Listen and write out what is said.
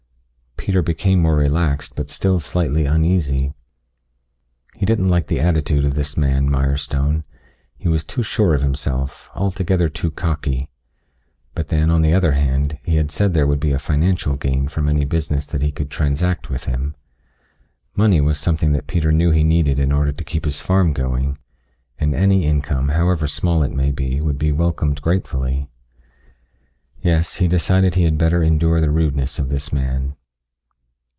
Peter became more relaxed but still slightly uneasy. He didn't like the attitude of this man, Mirestone. He was too sure of himself altogether too cocky. But then on the other hand he had said there would be a financial gain from any business that he could transact with him. Money was something that Peter knew he needed in order to keep his farm going, and any income, however small it may be, would be welcomed gratefully. Yes, he decided that he had better endure the rudeness of this man.